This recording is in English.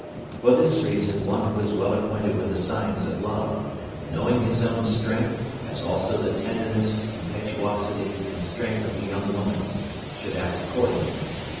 For this reason one who is well acquainted with the science of love, and knowing his own strength, as also the tenderness, impetuosity, and strength of the young woman, should act accordingly.